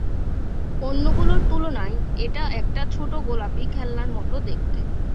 অন্যগুলোর তুলনায়, এটা একটা ছোট গোলাপী খেলনার মত দেখতে।